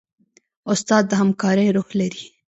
استاد د همکارۍ روح لري.